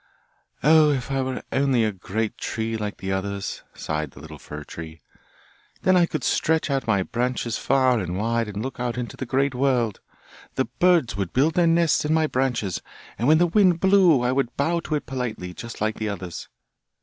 'Oh! if I were only a great tree like the others!' sighed the little fir tree, 'then I could stretch out my branches far and wide and look out into the great world! The birds would build their nests in my branches, and when the wind blew I would bow to it politely just like the others!